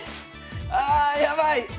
ああやばい！